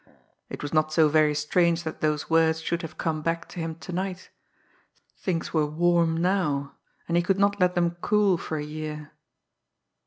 It was not so very strange that those words should have come back to him to night! Things were "warm" now and he could not let them "cool" for a year!